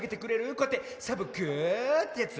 こうやってサボ子ってやつ。